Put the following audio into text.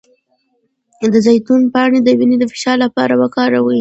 د زیتون پاڼې د وینې د فشار لپاره وکاروئ